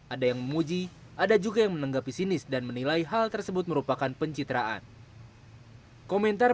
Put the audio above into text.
ada yang memuji ada juga yang menanggapi sinis dan menilai hal tersebut merupakan pencitraan komentar